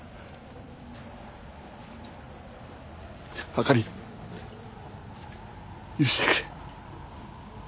あかり許してくれ。